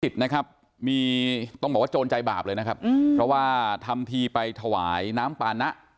ติดนะครับมีต้องบอกว่าโจรใจบาปเลยนะครับเพราะว่าทำทีไปถวายน้ำปานะ